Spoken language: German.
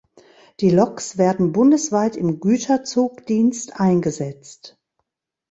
Die Loks werden bundesweit im Güterzugdienst eingesetzt.